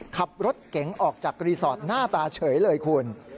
ขับรถเก๋งออกจากรีสอร์ทหน้าตาเฉยเลยคุณ